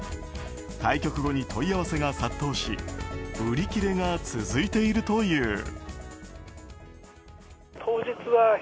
対局後に問い合わせが殺到し売り切れが続いているという。